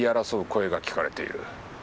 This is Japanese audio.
声が聞かれている。